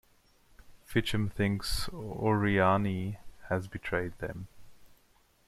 Fincham thinks Oriani has betrayed them.